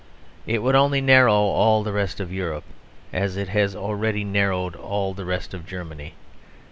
It would only narrow all the rest of Europe, as it has already narrowed all the rest of Germany.